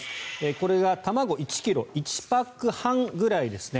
これが卵１ｋｇ１パック半ぐらいですね。